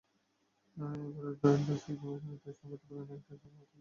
এবারের ঢাসিক নির্বাচন তাই সংগত কারণেই একটি অসম প্রতিযোগিতা হতে যাচ্ছে।